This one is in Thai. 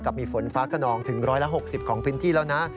กับมีฝนฟ้าขนองถึงร้อยละ๖๐ของพื้นที่แล้วนะ